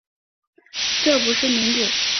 这不是民主